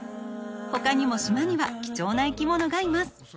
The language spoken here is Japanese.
ほかにも島には貴重な生き物がいます。